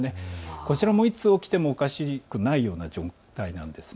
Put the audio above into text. こちらもいつ起きてもおかしくないような状態なんです。